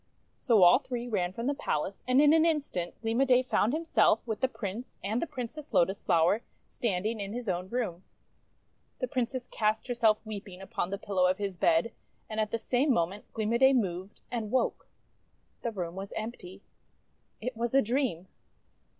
So all three ran from the palace; and in an in stant Gleam o' Day found himself, with the Prince and the Princess Lotus Flower, standing in his own room. The Princess cast herself weeping upon the pillow of his bed; and at the same moment Gleam o' Day moved, and woke. The room was empty. It was a dream!